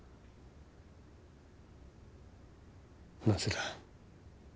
なぜだ？